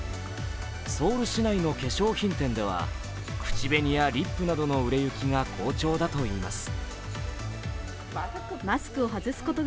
ソウル市内の化粧品店では口紅やリップなどの売れ行きが好調だといいます。